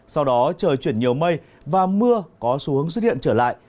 sau đó trời chuyển nhiều mây và mưa có xu hướng xuất hiện trở lại